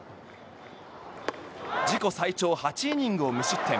自己最長８イニングを無失点。